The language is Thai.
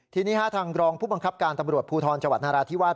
ทีนี้ทางรองผู้บังคับการตำรวจภูทรจังหวัดนราธิวาส